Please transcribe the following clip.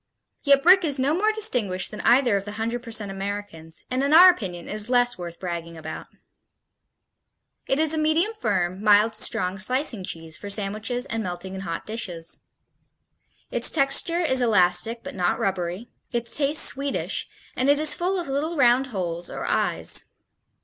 Yet Brick is no more distinguished than either of the hundred percent Americans, and in our opinion is less worth bragging about. It is a medium firm, mild to strong slicing cheese for sandwiches and melting in hot dishes. Its texture is elastic but not rubbery, its taste sweetish, and it is full of little round holes or eyes.